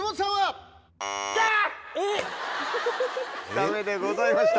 ダメでございました。